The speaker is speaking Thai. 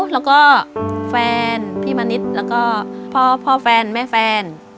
แล้วก็แฟนพี่มณิษฐ์แล้วก็พ่อแฟนแม่แฟน